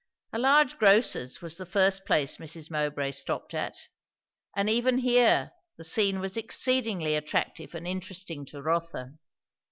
A large grocer's was the first place Mrs. Mowbray stopped at; and even here the scene was exceedingly attractive and interesting to Rotha.